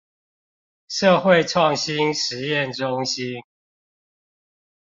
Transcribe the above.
社會創新實驗中心